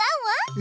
え？